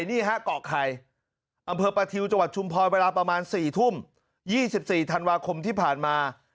นี่ฮะเกาะไข่อำเภอประทิวจังหวัดชุมพรเวลาประมาณ๔ทุ่ม๒๔ธันวาคมที่ผ่านมา